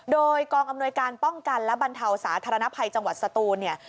โดยกองอำนวยการป้องกันและบรรเทาสาธารณภัยจังหวัดสตูนเนี่ย